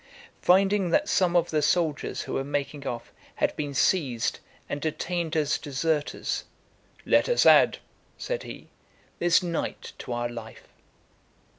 Finding that some of the soldiers who were making off had been seized and detained as deserters, "Let us add," said he, "this night to our life."